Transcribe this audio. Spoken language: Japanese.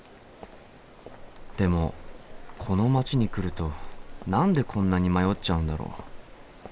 でもこの街に来ると何でこんなに迷っちゃうんだろう？